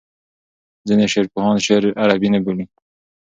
ځینې شعرپوهان شعر عربي نه بولي.